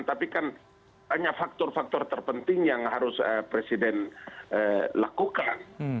tapi kan banyak faktor faktor terpenting yang harus presiden lakukan